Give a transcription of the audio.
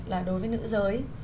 là đối với nữ giới